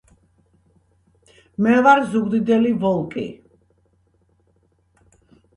მე ვარ ზუგდიდელი ვოლკი